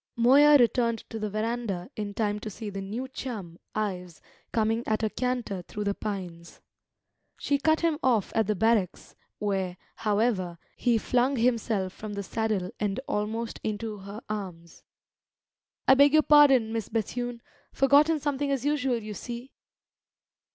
Moya returned to the verandah in time to see the new chum, Ives, coming at a canter through the pines. She cut him off at the barracks, where, however, he flung himself from the saddle and almost into her arms. "I beg your pardon, Miss Bethune! Forgotten something as usual, you see!"